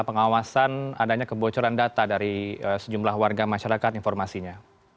pengawasan adanya kebocoran data dari sejumlah warga masyarakat informasinya